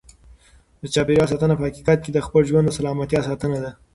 د چاپیریال ساتنه په حقیقت کې د خپل ژوند د سلامتیا ساتنه ده.